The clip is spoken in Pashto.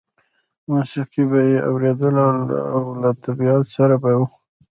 موسیقي به یې اورېدله او له طبیعت سره به و